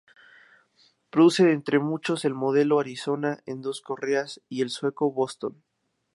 Producen, entre otros muchos, el modelo "Arizona", en dos correas y el sueco "Boston".